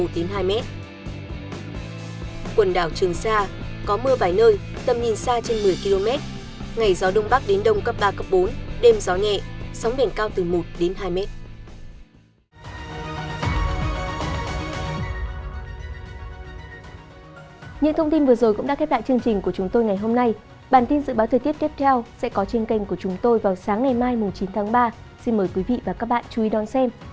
quần đảo trường sa có mưa vài nơi tầm nhìn xa trên một mươi km ngày gió đông bắc đến đông cấp ba bốn đêm gió nhẹ sóng biển cao từ một hai m